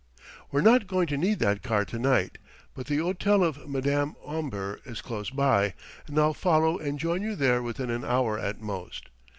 "We're not going to need that car tonight; but the hôtel of Madame Omber is close by; and I'll follow and join you there within an hour at most.